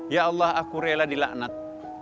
ya allah aku rela dilaknat